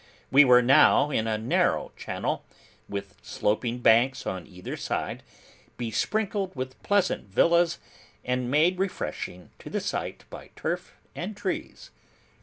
We were now in a narrow channel, with sloping banks on either side, besprinkled with pleasant villas, and made refreshing to the sight by turf and trees.